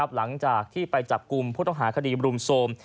หลังจากที่ไปจับกลุ่มผู้ต้องหาคดีบรุมโทรม